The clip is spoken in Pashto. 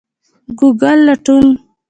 ګوګل لټون